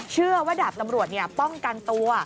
เชื่อว่าดาบตำรวจป้องกันตัว